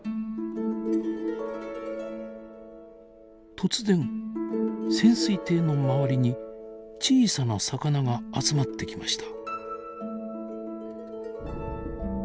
突然潜水艇の周りに小さな魚が集まってきました。